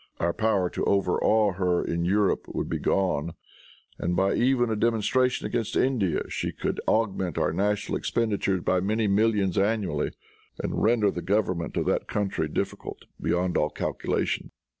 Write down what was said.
Our power to overawe her in Europe would be gone, and by even a demonstration against India she could augment our national expenditure by many millions annually, and render the government of that country difficult beyond all calculation."